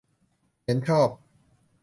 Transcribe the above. เห็นชอบ